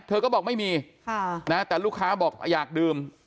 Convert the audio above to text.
เธอก็บอกไม่มีแต่ลูกค้าบอกอยากดื่ม